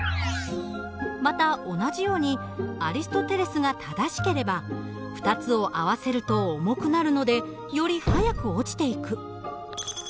また同じようにアリストテレスが正しければ２つを合わせると重くなるのでより速く落ちていく。